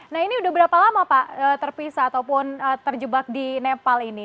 nah ini udah berapa lama pak terpisah ataupun terjebak di nepal ini